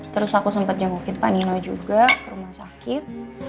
terus aku sempat jengukin pak nino juga ke rumah sakit